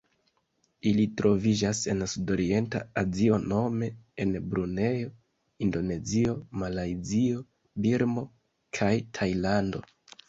Ili troviĝas en Sudorienta Azio nome en Brunejo, Indonezio, Malajzio, Birmo kaj Tajlando.